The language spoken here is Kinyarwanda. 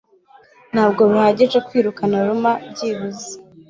Ntabwo bihagije kwirukana Roma byibuze